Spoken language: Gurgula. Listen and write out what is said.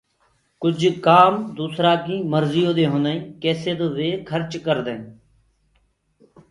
ڪجھ ڪآم دوسرآ ڪيٚ مرجيو دي هونٚدآ هينٚ ڪيسي تو وي کرچ ڪردآئينٚ